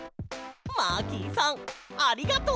マーキーさんありがとう！